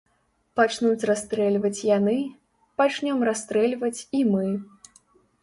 Пачнуць расстрэльваць яны, пачнём расстрэльваць і мы.